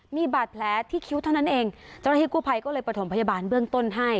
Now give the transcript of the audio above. มีบาดแผลที่คิ้วเท่านั้นเองเจ้าหน้าที่กู้ภัยก็เลยประถมพยาบาลเบื้องต้นให้